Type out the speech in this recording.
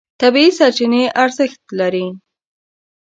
طبیعي سرچینې ارزښت لري.